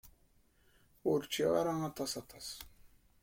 Ur ččiɣ ara aṭas aṭas.